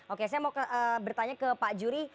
oke saya mau bertanya ke pak juri